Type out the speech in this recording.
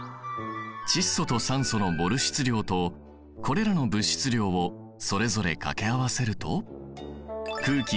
窒素と酸素のモル質量とこれらの物質量をそれぞれ掛け合わせると空気